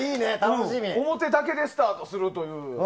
表だけでスタートするという。